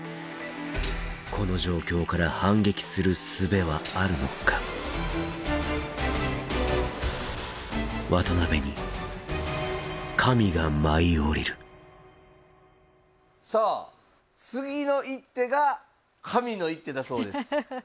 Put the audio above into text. この状況から反撃するすべはあるのか渡辺に神が舞い降りるさあ次の一手が神の一手だそうです。